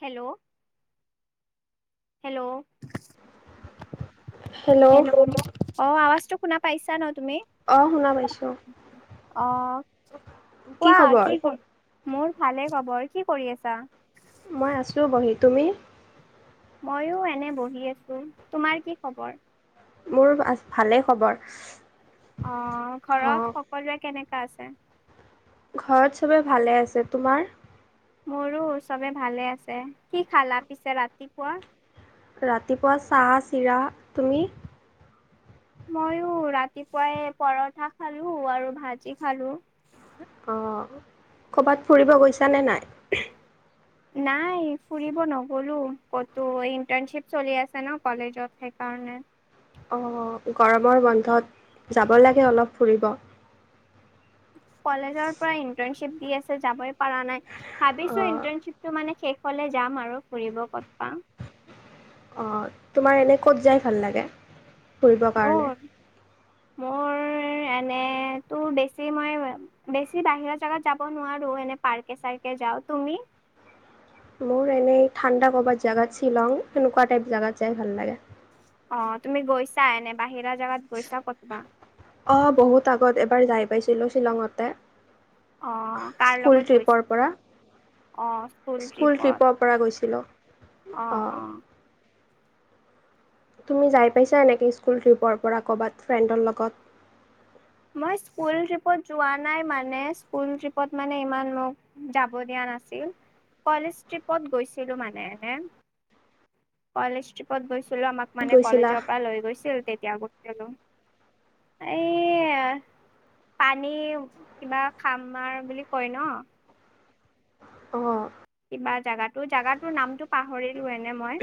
Hello, hello hello, অ আৱাজ টো শুনা পাইছা ন তুমি। অ শুনা পাইছো আহ কোৱা কি কৰ মোৰ ভালে খবৰ কি কৰি আছা? মই আছোঁ বহি, তুমি? ময়ো এনে বহি আছো, তোমাৰ কি খবৰ? মোৰ ভালেই খবৰ। অ অ ঘৰত সকলোৰে কেনেকা আছে? ঘৰত চবে ভালে আছে তোমাৰ? মোৰো চবে ভালে আছে, কি খালা পিছে ৰাতিপুৱা? ৰাতিপুৱা চাহ চিৰা, তুমি? মইয়ো ৰাতিপুৱাই পৰঠা খালো আৰু ভাজি খালো। অঁ ক'ৰবাত ফুৰিব গৈছা নে নাই? নাই ফুৰিব নগ'লো ক'তো ইণ্টাৰ্ণশ্বিপ চলি আছে ন কলেজত সেইকাৰণে। অঁ গৰমৰ বন্ধত যাব লাগে অলপ ফুৰিব। কলেজৰ পৰা ইন্টাৰণশ্বিপ দি আছে যাবই পৰা নাই ভাবিছো অঁ ইণ্টাৰণশ্বিপটো মানে শেষ এফালে যাম আৰু ফুৰিব ক'ত পাম। অঁ তোমাৰ এনে ক'ত যাই ভাল লাগে? ফুৰিবৰ কাৰণে মোৰ মোৰ এনেতো বেছি মই বেছি বাহিৰা জেগাত যাব নোৱাৰো এনে পাৰ্কে চাৰ্কে যাওঁ, তুমি? মোৰ এনেই ঠাণ্ডা কৰবাত জাগাত শ্বিলং এনেকোৱা টাইপ জাগাত যাই ভাল লাগে। অ তুমি গৈছা এনে বাহিৰা জেগাত গৈছা কতবা? অঁ বহুত আগত এবাৰ যাই পাইছিলোঁ শ্বিলংঙতে। অ' কাৰ স্কুল লগত গৈছা? ট্ৰিপৰ পৰা স্কুল ট্ৰিপৰ পৰা গৈছিলোঁ। অহ অঁ অহ, তুমি যাই পাইছা এনেকৈ স্কুল ট্ৰিপৰ পৰা ক'ৰবাত ফ্ৰেণ্ডৰ লগত? মই স্কুল ট্ৰিপত যোৱা নাই মানে স্কুল ট্ৰিপত মানে ইমান মোক যাব দিয়া নাছিল কলেজ ট্ৰিপত গৈছিলো মানে এনে। কলেজট্ৰিপত গৈছিলো আমাক মানে গৈছিলা কলেজৰ পৰা লৈ গৈছিল তেতিয়া গৈছিলো এ পানী কিবা খামাৰ বুলি কয় ন, অঁ কিবা জাগাটো জাগাটো নামটো পাহৰিলো এনে মই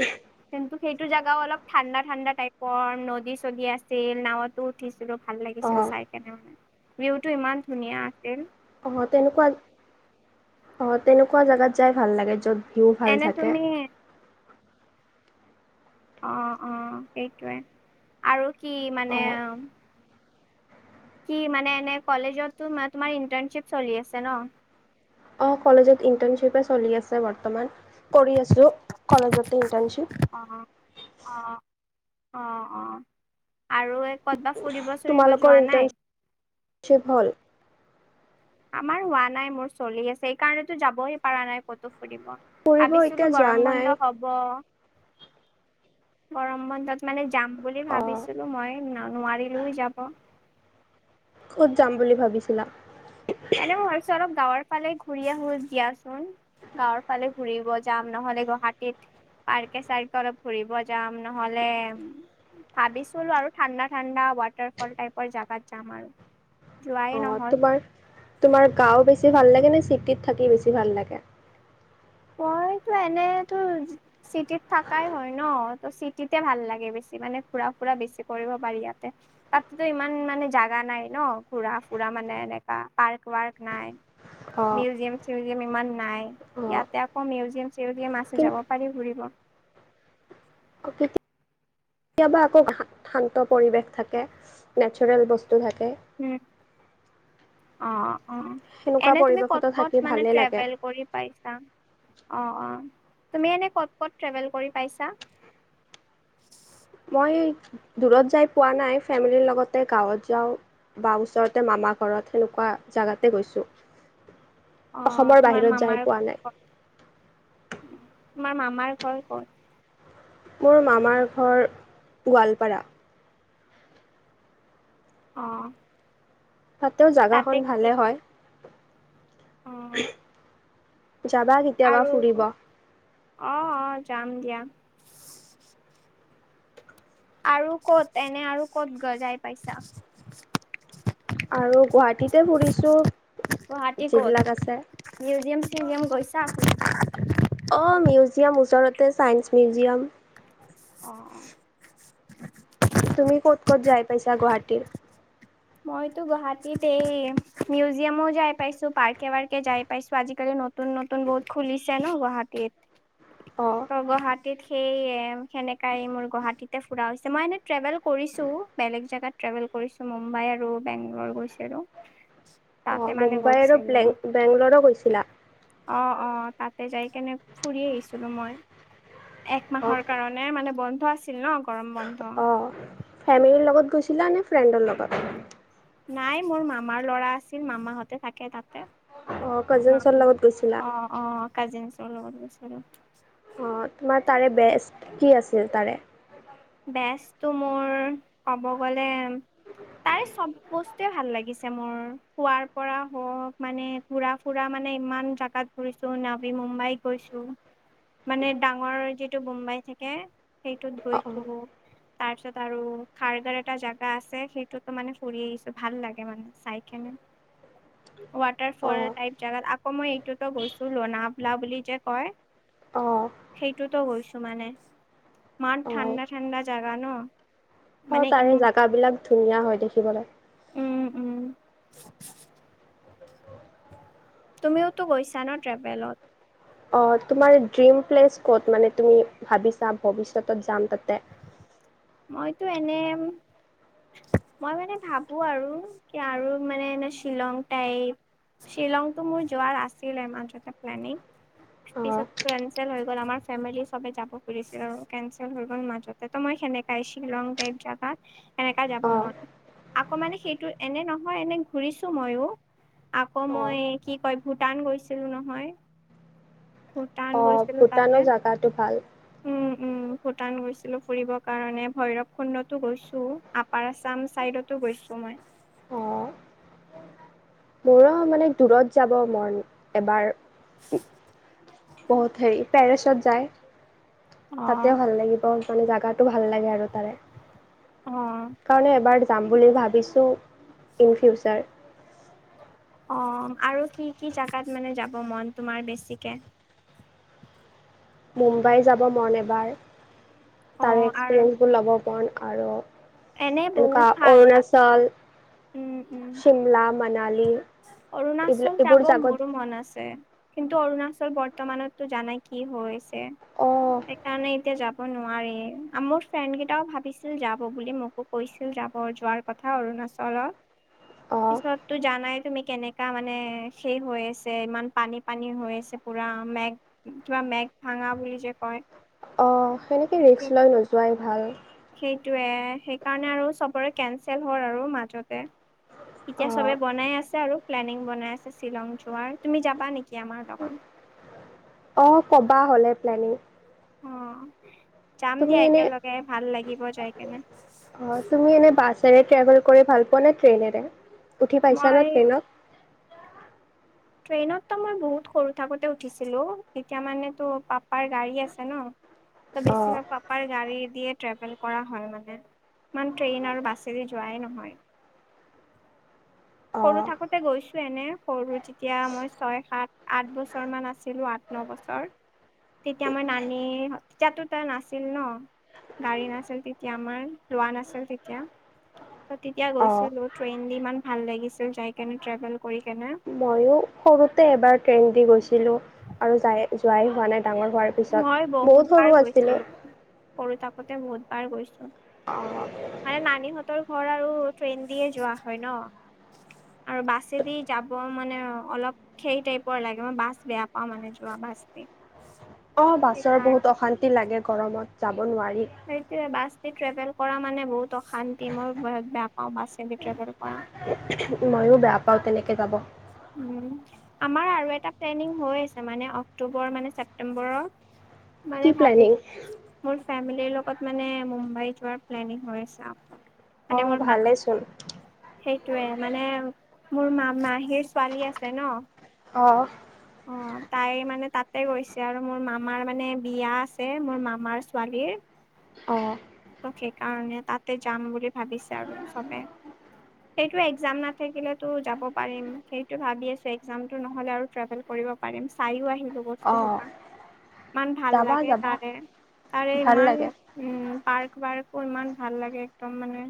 কিন্তু সেইটো জাগাও অলপ ঠাণ্ডা ঠাণ্ডা টাইপৰ নদী চদী আছিল নাওত উঠিছিলো ভাল লাগিছিল অঁ চাই কেনে মানে ভিউটো ইমান ধুনীয়া আছিল। অ তেনেকুৱা, অ তেনেকুৱা জেগাত যাই ভাল লাগে য'ত ভিউ ভাল এনে থাকে। তুমি অ অ সেইটোৱে আৰু কি মানে অঁ কি মানে এনে কলেজতো তোমাৰ ইন্টাৰ্ণশ্বিপ চলি আছে ন। অ কলেজত ইণ্টাৰ্ণশ্বিপে চলি আছে বৰ্তমান কৰি আছো কলেজতে ইণ্টাৰ্ণশ্বিপ। অঁ অঁ অঁ অঁ আৰু ক'তবা ফুৰিব চুৰিব যোৱা নাই? থিক হ'ল? আমাৰ হোৱা নাই মোৰ চলি আছে সেইকাৰণেতো যাবৈ পৰা নাই কতো ফুৰিব। ফুৰিব এতিয়া ভাবিছিলো যোৱা গৰম নাই বন্ধ হ'ব গৰম বন্ধত মানে যাম বুলি অঁ ভাবিছো। মই নোৱাৰিলো যাব। ক'ত যাম বুলি ভাবিছিলা? এনে মই ভাবছো অলপ গাঁৱৰ ফালে ঘূৰি আহো দিয়াচোন। গাঁৱৰ ফালে ঘূৰিব যাম নহ'লে গুৱাহাটীত। পাৰ্কে - চাৰ্কে অলপ ফুৰিব যাম নহলে ভাবিছিলো আৰু ঠাণ্ডা - ঠাণ্ডা ৱাটাৰফল টাইপৰ জাগাত যাম আৰু। যোৱাই অ নহ'ল। তোমাৰ - তোমাৰ গাওঁ বেছি ভাল লাগে নে চিটিত থাকি বেছি ভাল লাগে? মইতো এনেতো চি চিটিত থাকাই হয় ন ত চিটিতে ভাল লাগে বেছি মানে ঘূৰা - ফুৰা বেছি কৰিব পাৰি ইয়াতে। তাততো ইমান মানে জাগা নাই ন ঘূৰা ফুৰা মানে এনেকা পাৰ্ক ৱাৰ্ক নাই। অঁ মিউজিয়াম - চিউজিয়াম ইমান নাই অঁ ইয়াত ইয়াত আকৌ মিউজিয়াম - চিউজিয়াম আছে যাব পাৰি ফুৰিব। কিন্তু কেতিয়াবা আকৌ শান্ত পৰিৱেশ থাকে, নেচাৰেল বস্তু থাকে। উম, অঁ অঁ। সেনেকুৱা এনে তুমি ক'ত পৰিৱেশতো ক'ত থাকি মানে ভালেই লাগে ট্ৰেভেল কৰি পাইছা? অঁ অঁ তুমি এনেই ক'ত ক'ত ট্ৰেভেল কৰি পাইছা? মই দূৰত যাই পোৱা নাই, ফেমিলিৰ লগতে গাঁৱত যাওঁ বা ওচৰতে মামা ঘৰত সেনেকোৱা জাগাতে গৈছো। অঁ তোমাৰ যাই মামাৰ পোৱা ঘৰ নাই কত? তোমাৰ মামাৰ ঘৰ কত? মোৰ মামাৰ ঘৰ গোৱালপাৰা। অ। তাতেও জাগাখন তাতে কি ভালে হয়। অ উহ যাবা নি আৰু অ অ যাম দিয়া। আৰু কত এনে আৰু ক'ত গজাই পাইছা? আৰু গুৱাহাটীতে ফুৰিছোঁ গুৱাহাটী ক'ত যিবিলাক আছে। মিউজিয়াম - চিউজিয়াম গৈছা? অ মিউজিয়াম ওচৰতে, চাইন্স মিউজিয়াম। অ। তুমি ক'ত ক'ত যাই পাইছা গুৱাহাটীৰ? মইতো গুৱাহাটীত এই মিউজিয়ামো যাই পাইছো, পাৰ্কে - ৱাৰ্কে যাই পাইছো, আজিকালি নু তুন - নতুন বহুত খুলিছে ন গুৱাহাটীত। অ। ত গুৱাহাটীত সেই সেনেকাই মোৰ গুৱাহাটীতে ফুৰা হৈছে, মই এনেই ট্ৰেভেল কৰিছোঁ বেলেগ জেগাত ট্ৰেভেল কৰিছো, মুম্বাই আৰু বেংগলৰ গৈছিলো। অঁ তাতে মানে মুম্বাই আৰু গৈছিলো বেলেং বেংলৰো কৈছিলা। অ অ তাতে যাই কেনে ফুৰি আহিছিলো মই, একমাহৰ কাৰণ নে মানে বন্ধ আছিল ন গৰম বন্ধ। অ ফেমিলিৰ লগত গৈছিলা নে ফ্ৰেণ্ডৰ লগত? নাই মোৰ মামাৰ লৰা আছিল, মামাহঁতে থাকে তাতে। অঁ কাজিন ছোৱালীৰ লগত গৈছিলা। অ অ কাজিনচৰ লগত গৈছিলো। অঁ তোমাৰ তাৰে বেষ্ট কি আছিল তাৰে? বেচটো মোৰ ক'ব গ'লে তাই চব বস্তুৱে ভাল লাগিছে মোৰ শোৱাৰ পৰা হওক মানে ফুৰা - ফুৰা মানে ইমান জাগাত ঘুৰিছো, নাবি মুম্বাই গৈছো। মানে ডাঙৰ যিটো মুম্বাই থাকে সেইটোত অ গৈছো। তাৰপিছত আৰু খাৰগাৰ এটা জাগা আছে, সেইটোতো মানে ফুৰি আহিছো ভাল লাগে মানে চাইকেনে। [inaudible] ৱাটাৰ অ ফল টাইপ জেগাত আকৌ মই এইটোতো গৈছো লনাবলা বুলি যে কয়? অ অ সেইটোতো গৈছো মানে মাৰ অ ঠাণ্ডা - ঠাণ্ডা জাগা ন? অ মানে ইম তাৰে জাগা বিলাক ধুনীয়া হয় দেখিবলে। উম উম। তুমিওতো গৈছা ন ট্ৰেভেলত। অ তোমাৰ ড্ৰিম প্লেচ ক'ত মানে তুমি ভাবিছা ভৱিষ্যতত যাম তাতে। মইতো এনে, মই মানে ভাবো আৰু কি আৰু মানে এ শ্বিলং টাইপ। শ্বিলংটো মোৰ যোৱাৰ আছিল মাজতে প্লেনিং। অ পিছত কেনচেল হৈ গল আমাৰ ফেমিলি চবে যাব খুজিছিল আৰু কেনচেল হৈ গ'ল। মাজতে ত মই সেনেকাই শ্বিলংটাইপ জাগাত সেনেকা অ যাব মন। আকৌ মানে সেইটো এনে নহয় এনে ঘূৰিছো মইয়ো। আকৌ অ মই কি কয় ভূটান গৈছিলো নহয়। ভূটান অ গৈছিলো তাতে ভূটানৰ জেগাটো ভাল উম উম। ভূটান গৈছিলো ফুৰিব কাৰণে ভৈৰৱ খুণ্ডতো গৈছো আপাৰ আছাম চাইদতো গৈছো মই। অ মোৰো মানে দূৰত যাব মন এবাৰ। বহুত হেৰি পেৰিছত যায় অ তাতেও ভাল লাগিব। মানে জেগাটো ভাল লাগে আৰু তাৰে। অ সেইকাৰণে এবাৰ যাম বুলি ভাবিছোঁ ইন ফিউচাৰ। অ আৰু কি কি জেগাত মানে যাব মন তোমাৰ বেছিকে। মুম্বাই যাব মন এবাৰ অ তাৰে আৰু এক্সপিৰিয়েঞ্চবোৰ ল'ব মন আৰু এনে বহুত এনেকুৱা ভাল তাত অৰুণাচল উম উম চিমলা মানালী। এইবিলাক অৰুণাচল এইবোৰ যাব জাগত মোৰো মন আছে। কিন্তু অৰুণাচল বৰ্তমানতো জানাই কি হৈছে অ' সেইকাৰণে এতিয়া যাব, নোৱাৰি মোৰ ফ্ৰেণ্ড কেইটাও ভাবিছিল যাব বুলি মোকো কৈছিল যাব যোৱাৰ কথা। ক অৰুণাচলৰ অ' পিছত তো জানাই। তুমি কেনেকা মানে সেই হৈ আছে ইমান পানী পানী হৈ আছে পুৰা মেঘ। কিবা মেঘ ভাঙা বুলি যে কয়। অ সেনেকে ৰিকচ লৈ নোযোৱাই ভাল। সেইটোয়ে সেইকাৰণে আৰু চবৰে কেনচেল হ'ল আৰু মাজতে। এতিয়া চবে অ' বনাই আছে আৰু প্লেনিং বনাই আছে শ্বিলং যোৱাৰ তুমি যাবা নেকি আমাৰ লগত। অ ক'বা হ'লে প্লেনিং। অ যাম তুমি দিয়া এনে একেলগে ভাল লাগিব যাই কেনে। অঁ, তুমি এনেই বাছেৰে ট্ৰেভেল কৰি ভাল পোৱা নে ট্ৰেইনেৰে উঠি পাইছা ন মই ট্ৰেইনত। ট্ৰেইনত তো মই বহুত সৰু থাকোতে উঠিছিলো তেতিয়া মানে তো পাপাৰ গাড়ী আছে ন। ত' অ' বেছিভাগ পাপাৰ গাড়ী দিয় ট্ৰেভেল কৰা হয় মানে। ইমান ট্ৰেইন আৰু বাছেদি যোৱাই নহয়। সৰু অ' থাকোতে গৈছো এনে সৰু তেতিয়া মই ছয় সাত আঠ বছৰ মান আছিলো আঠ, নবছৰ, তেতিয়া মই নানি তেতিয়াতো তই নাছিল ন। গাড়ী নাছিল তেতিয়া আমাৰ লোৱা নাছিল তেতিয়া। ত' তেতিয়া অ' গৈছিলো ট্ৰেইন দি ইমান ভাল লাগিছিল যাই কেনে ট্ৰেভেল কৰি কেনে। মইও সৰুতে এবাৰ ট্ৰেইন দি গৈছিলো আৰু যাই যোৱাই হোৱা নাই ডাঙৰ হোৱাৰ, পিছত মই বহুত সৰু বাৰ আছিলোঁ। গৈছিলো সৰু থাকোতে বহুত বাৰ গৈছো। অঁ মানে নানীহঁতৰ ঘৰ আৰু ট্ৰেইন দিয়ে যোৱা হয় ন। আৰু বাছেদি যাব মানে অলপ। সেই টাইপৰ লাগে মই বাাঁছ বেয়া পাওঁ মানে যোৱা বাাস দি। অঁ, বাছৰ সেইকাৰ বহুত অশান্তি লাগে গৰমত যাব নোৱাৰি। সেইটোয়ে বাছ দি ট্ৰেভেল কৰা মানে বহুত অশান্তি মই বহত বেয়া পাওঁ বাছেদি ট্ৰেভেল কৰা। ময়ো বেয়া পাওঁ তেনেকে যাব। উম। আমাৰ আৰু এটা প্লেনিং হৈ আছে মানে, অক্টোবৰ মানে ছেপটেম্বৰৰ। কি মানে প্লেনিং? ভাবিছো, মোৰ ফেমিলিৰ লগত মানে মুম্বাই যোৱাৰ প্লেনিং হৈ আছে আৰু। মানে অ', মোৰ মা, ভালেচোন সেইটোৱে মানে মোৰ মা মাহীৰ। ছোৱালী আছে ন। অঁ। অ' তাই মানে তাতে গৈছে আৰু মোৰ মামাৰ মানে বিয়া আছে মোৰ মামাৰ ছোৱালীৰ। অ', সেইকাৰণে তাতে যাম বুলি ভাবিছে আৰু চবে। সেইটো একজাম নাথাকিলে তো যাব পাৰিম সেইটো ভাবি আছো একজামটো নহলে আৰু ট্ৰেভেল কৰিব পাৰিম, চাইও আহিলো। বস্তু অ'। হোপা ইমান ভাল যাবা লাগে যাবা তাৰে তাৰে ভাল ইমান লাগে। উম, পাৰ্ক ৱাৰ্কো ইমান ভাল লাগে একদম মানে।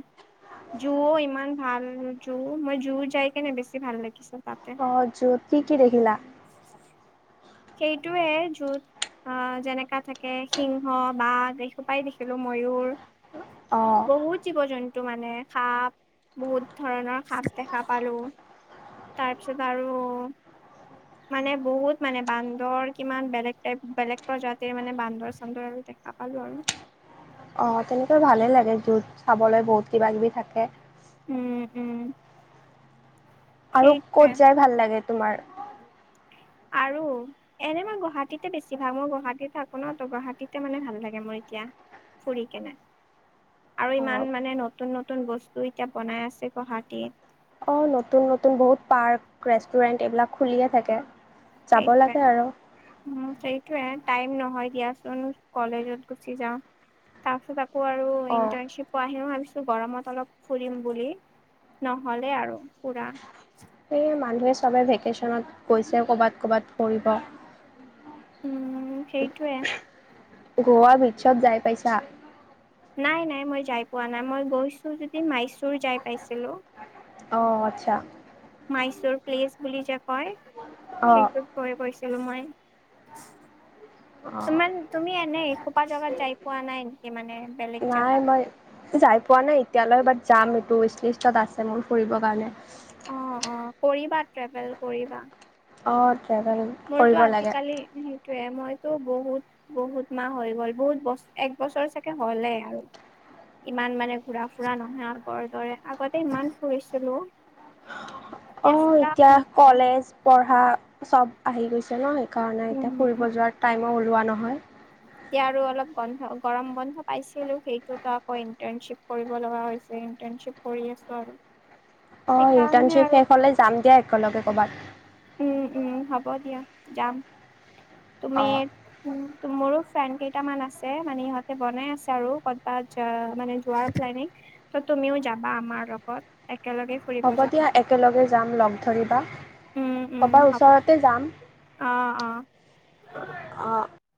জুও ইমান ভাল জু মই জু যাই কেনে বেছি ভাল লাগিছ তাতে। অঁ জুওত কি দেখিলা? সেইটোৱে জুওত। অ' যেনেকা থাকে সিংহ বাঘ এইসোপাই দেখিলোঁ ময়ুৰ। অ', বহুত জীৱ জন্তু মানে সাপ। বহুত ধৰণৰ সাপ দেখা পালো তাৰপিছত আৰু মানে বহুত মানে বান্দৰ কিমান বেলেগ টাইপ, বেলেগ প্ৰজাতিৰ মানে বান্দৰ চান্দৰ [inaudible] পালো আৰু। অঁ তেনেকৈ ভালেই লাগে জুওত চাবলে বহুত কিবা কিবি থাকে। উম উম। আৰু সেইটোৱে ক'ত যাই ভাল লাগে তোমাৰ? আৰু এনে মই গুৱাহাটীতে বেছি ভাল মই গুৱাহাটীত থাকো ন, ত' গুৱাহাটীতে মানে ভাল লাগে মোৰ এতিয়া। ফুৰিকেনে। আৰু অ', ইমান মানে নতুন নতুন বস্তু এতিয়া বনাই আছে গুৱাহাটীত। অ' নতুন নতুন বহুত পাৰ্ক ৰেষ্টুৰেন্ট এইবিলাক খুলিয়ে থাকে। সেই যাব মে লাগে [unintelligible] আৰু উম, সেইটোয়ে টাইম নহয় দিয়াচোন কলেজত গুচি যাও। তাৰপিছত আকৌ আৰু অঁ ইণ্টাৰ্ণশ্বিপ বাহিৰত ভাবিছো গৰমত অলপ ফুৰিম বুলি নহলে আৰু ফুৰা। সেয়ে মানুহে চবে ভেকেশচনত গৈছে কৰ'বাত ক'ৰবাত ফুৰিব। উম সেইটোৱে। গোৱা বিছত যাই পাইছা? নাই নাই মই যাই পোৱা নাই, মই গৈছো যদি মাইচুৰ যাই পাইছিলো। অঁ আচ্ছা। মাইচুৰ প্লেচ বুলি যে কয় অঁ সেইটোত গৈ গৈছিলো মই। অঁ কিছুমান তুমি এনেই এখোপা জেগাত যাই পোৱা নাই নেকি মানে? বেলেগ নাই জেগাত? মই যাই পোৱা নাই এতিয়ালৈ বাত যাম এইটো উইছলিষ্টত আছে মোৰ ফুৰিবৰ কাৰণে। অঁ অঁ কৰিবা ট্ৰেভেল কৰিবা। অঁ ট্ৰেভেল মোৰতো কৰিব লাগে আজিকালি সেইটোয়ে মইতো বহুত বহুত মাহ হৈ গ'ল, বহুত বছ এক বছৰ চাগে হলেই আৰু। ইমান মানে ঘুৰা ফুৰা নহয় আগৰ দৰে আগতে ইমান ফুৰিছিলো। [inaudible] মোৰ ফুৰা এতিয়া নহয় কলেজ পঢ়া চব আহি গৈছে ন, সেইকাৰণে এতিয়া উম ফুৰিব যোৱাৰ টাইমো ওলোৱা নহয়। [inaudible] এতিয়া আৰু অলপ গৰম বন্ধ পাইছিলো সেইটোতো আকৌ ইণ্টাৰ্ণশ্বিপ কৰিব লগা হৈছে ইণ্টাৰ্ণশ্বিপ কৰি আছো আৰু অ সেইকাৰণে ইণ্টাৰ্শ্বিপ আৰু শেষ হ'লে যাম দিয়া একেলগে ক'বাত। উম উম হ'ব দিয়া যাম তুমি অঁ উম মোৰো ফ্ৰেণ্ড কেইটামান আছে মানে ইহঁতে বনাই আছে আৰু ক'তবা মানে যোৱাৰ প্লেনিং ত তুমিও যাবা আমাৰ লগত একেলগে। ফুৰিব হ'ব যাম দিয়া একেলগে যাম লগ ধৰিবা উম উম ক'ৰবাৰ হ'ব ওচৰতে যাম। অ অ। অ।